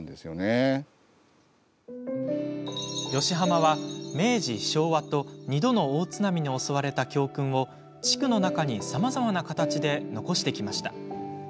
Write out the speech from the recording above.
吉浜は明治、昭和と２度の大津波に襲われた教訓を地区の中にさまざまな形で残してきました。